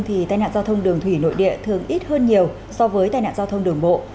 thì tai nạn giao thông đường thủy nội địa thường ít hơn nhiều so với tai nạn giao thông đường bộ